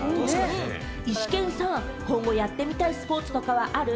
イシケンさん、今後やってみたいスポーツとかある？